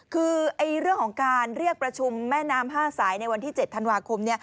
คือเรื่องของการเรียกประชุมแม่น้ำ๕สายในวันที่๗ธันวาคม